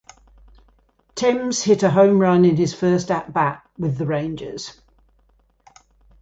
Thames hit a home run in his first at bat with the Rangers.